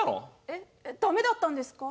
えっダメだったんですか？